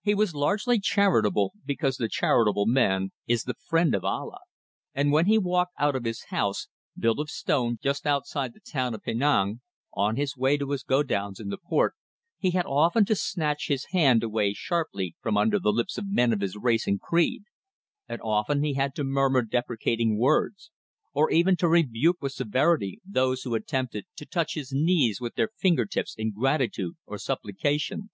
He was largely charitable because the charitable man is the friend of Allah, and when he walked out of his house built of stone, just outside the town of Penang on his way to his godowns in the port, he had often to snatch his hand away sharply from under the lips of men of his race and creed; and often he had to murmur deprecating words, or even to rebuke with severity those who attempted to touch his knees with their finger tips in gratitude or supplication.